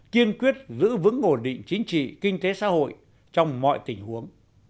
kiên quyết giữ vững ổn định chính trị kinh tế xã hội trong mọi tình huống